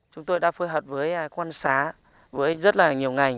chúng tôi đã phối hợp với quan xá với rất là nhiều ngành